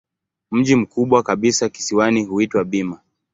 Mji mkubwa kabisa kisiwani huitwa Bima.